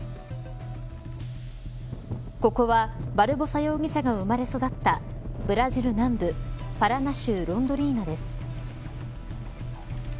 ここは、バルボサ容疑者が生まれ育ったブラジル南部パラナ州ロンドリーナです。